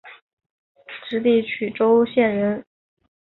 直隶曲周县人。